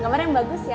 gemar yang bagus ya